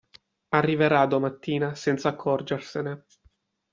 Arriverà a domattina senza accorgersene.